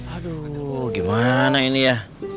aduh gimana ini ya